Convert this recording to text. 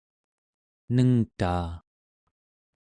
nengtaa